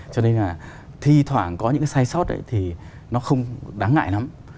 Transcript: cho nên là thi thoảng có những sai sót ấy